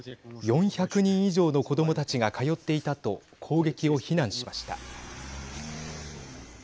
４００人以上の子どもたちが通っていたと攻撃を非難しました。